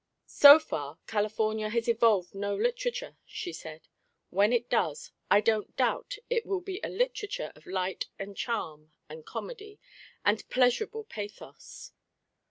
"So far, California has evolved no literature," she said. "When it does, I don't doubt it will be a literature of light and charm and comedy and pleasurable pathos.